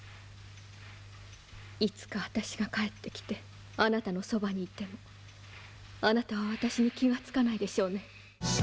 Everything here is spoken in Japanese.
いつか私が帰ってきてあなたのそばにいてもあなたは私に気が付かないでしょうね。